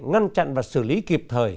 ngăn chặn và xử lý kịp thời